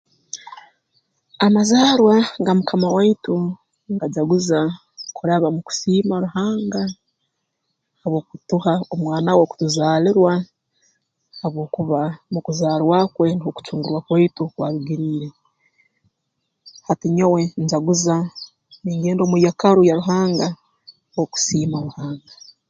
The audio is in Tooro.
Amazarwa ga Mukama waitu ngajaguza kuraba mu kusiima Ruhanga habw'okutuha omwana we kutuzaalirwa habwokuba mu kuzaarwa kwe nuho kucungurwa kwaitu kwarugiriire hati nyowe njaguza ningenda omu yeekaaru ya Ruhanga okusiima Ruhanga